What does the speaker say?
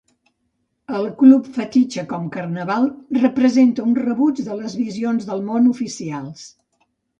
El club fetitxe com carnaval representa un rebuig de les visions del món "oficials".